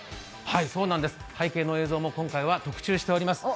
背景の映像も今回は特注しています。